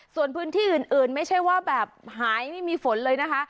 ส่วนพื้นที่อื่นไม่ใช่ว่าแบบหายไม่มีฝนเลยนะคะ